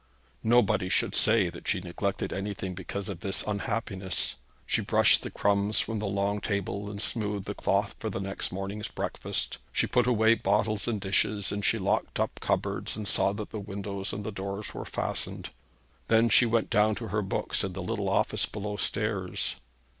Nobody should say that she neglected anything because of this unhappiness. She brushed the crumbs from the long table, and smoothed the cloth for the next morning's breakfast; she put away bottles and dishes, and she locked up cupboards, and saw that the windows and the doors were fastened. Then she went down to her books in the little office below stairs.